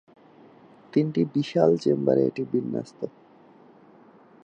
তিনটি বিশাল চেম্বারে এটি বিন্যস্ত।